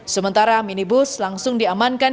sementara minibus langsung diamankan